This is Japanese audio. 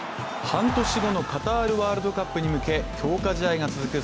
半年後のカタールワールドカップに向け強化試合が続く